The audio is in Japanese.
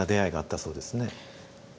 そうですね。